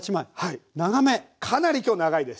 かなり今日長いです。